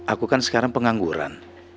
aku kan sekarang pengangguran